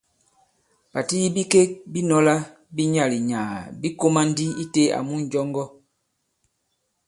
Pàti yi bikek bi nɔ̄lā bi nyaà-li-nyàà bī kōmā ndi itē àmu ǹnjɔŋgɔ.